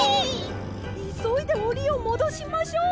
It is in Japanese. いそいでおりをもどしましょう！